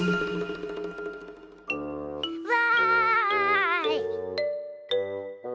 わい！